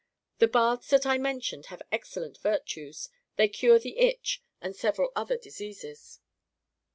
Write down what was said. The baths that I mentioned have excellent virtues ; they cure the itch and several other diseases.'